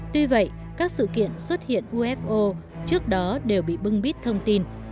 tuy vậy các sự kiện xuất hiện ufo trước đó đều bị bưng bít thông tin